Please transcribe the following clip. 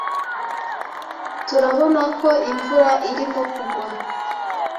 Turabonako imvura irimo kugwa.)